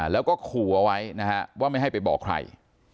แล้วก็ขู่เอาไว้นะฮะว่าไม่ให้ไปบอกใคร